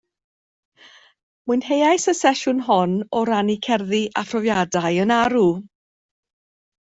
Mwynheais y sesiwn hon o rannu cerddi a phrofiadau yn arw